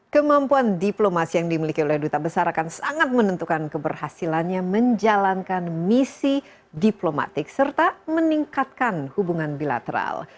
kemampuan diplomasi yang dimiliki oleh duta besar akan sangat menentukan keberhasilannya menjalankan misi diplomatik serta meningkatkan hubungan bilateral